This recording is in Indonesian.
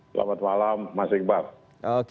selamat malam mas iqbal